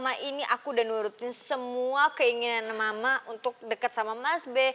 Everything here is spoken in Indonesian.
selama ini aku udah nurutin semua keinginan mama untuk dekat sama mas b